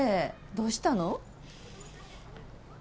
どうしたの？